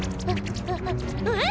えっ？